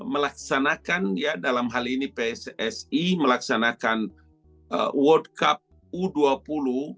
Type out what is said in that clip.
melaksanakan ya dalam hal ini pssi melaksanakan world cup u dua puluh